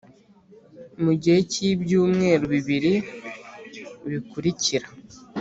Mu gihe cy ibyumweru bibiri bikurikira